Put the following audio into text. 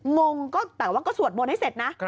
งงก็แต่ว่าก็สวดมนต์ให้เสร็จนะ